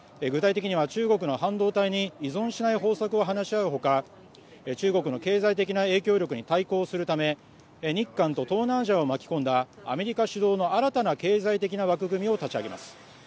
中国の半導体に依存しない方策を話し合うほか中国の経済的な影響力に対抗するため日韓と東南アジアを巻き込んだアメリカ主導の新たな経済協定も発表する予定です。